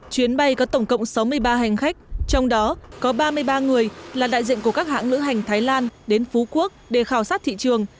chuyến bay có tổng cộng sáu mươi ba hành khách trong đó có ba mươi ba người là đại diện của các hãng lữ hành thái lan đến phú quốc để khảo sát thị trường